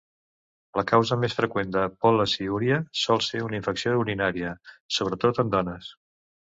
La causa més freqüent de pol·laciúria sol ser una infecció urinària, sobretot en dones.